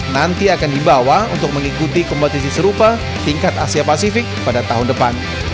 nanti akan dibawa untuk mengikuti kompetisi serupa tingkat asia pasifik pada tahun depan